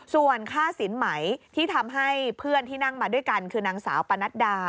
ส่วนค่าสินไหมที่ทำให้เพื่อนที่นั่งมาด้วยกันคือนางสาวปนัดดา